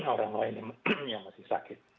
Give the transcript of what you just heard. orang lain yang masih sakit